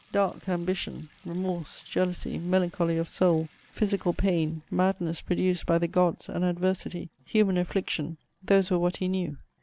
Dark ambition, remorse, jealousy, melancholy of soul, physical pain, madness produced by the gods and adversity, human affliction: those were what he knew.